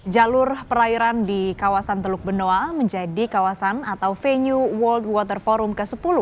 jalur perairan di kawasan teluk benoa menjadi kawasan atau venue world water forum ke sepuluh